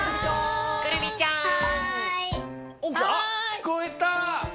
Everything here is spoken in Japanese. きこえた！